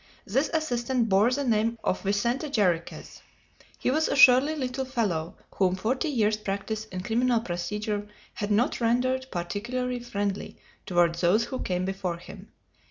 This assistant bore the name of Vicente Jarriquez. He was a surly little fellow, whom forty years' practice in criminal procedure had not rendered particularly friendly toward those who came before him.